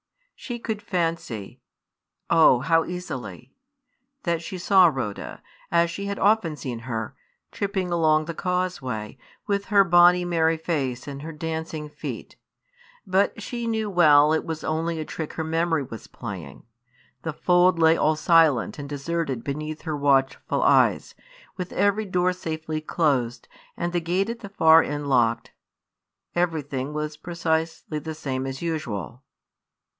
She could fancy oh, how easily! that she saw Rhoda, as she had often seen her, tripping along the causeway, with her bonny, merry face, and her dancing feet. But she knew well it was only a trick her memory was playing. The fold lay all silent and deserted beneath her watchful eyes, with every door safely closed, and the gate at the far end locked. Everything was precisely the same as usual.